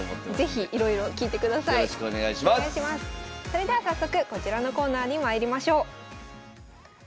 それでは早速こちらのコーナーにまいりましょう。